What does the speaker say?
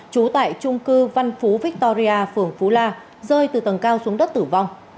trú tại trung cư văn phú victoria phường phú la rơi từ tầng cao xuống đất tử vong